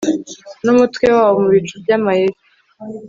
numutwe wabo mubicu byamayeri